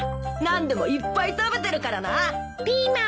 何でもいっぱい食べてるからな。